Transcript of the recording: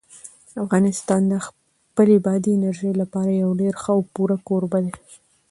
افغانستان د خپلې بادي انرژي لپاره یو ډېر ښه او پوره کوربه دی.